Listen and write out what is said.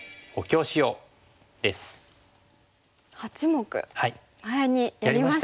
八目前にやりましたね。